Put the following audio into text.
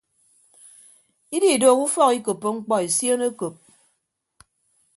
Ididooho ufọk ikoppo mkpọ esion ekop.